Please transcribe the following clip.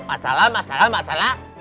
masalah masalah masalah